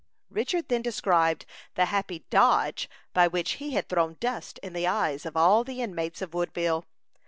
Richard then described the happy "dodge" by which he had thrown dust in the eyes of all the inmates of Woodville.